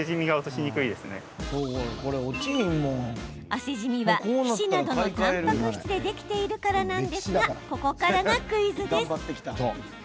汗じみは皮脂などのたんぱく質でできているからなんですがここからがクイズです。